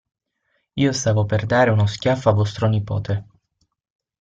Io stavo per dare uno schiaffo a vostro nipote.